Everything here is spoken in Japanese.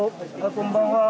こんばんは。